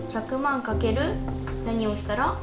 １００万かける何をしたら？